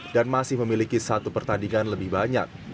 dan masih memiliki satu pertandingan lebih banyak